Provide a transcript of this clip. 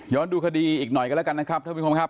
ดูคดีอีกหน่อยกันแล้วกันนะครับท่านผู้ชมครับ